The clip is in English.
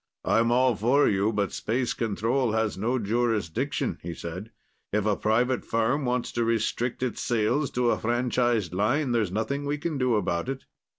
"I'm all for you, but Space Control has no jurisdiction," he said. "If a private firm wants to restrict its sales to a franchised line, there's nothing we can do about it.